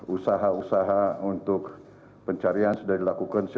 usaha usaha untuk pencarian sudah dilakukan